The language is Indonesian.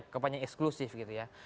kampanye eksklusif gitu ya